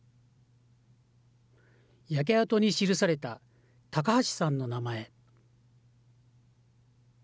焼け跡に記された高橋さんの名前。